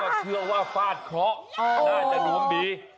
เชื่อว่าฟาดเคราะห์น่าจะดวงดี